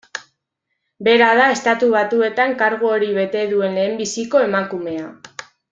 Bera da Estatu Batuetan kargu hori bete duen lehenbiziko emakumea.